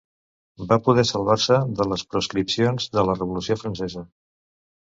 Va poder salvar-se de les proscripcions de la revolució francesa.